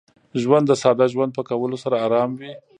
ژوند د ساده ژوند په کولو سره ارام وي.